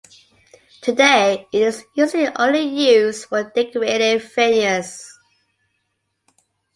Today, it is usually only used for decorative veneers.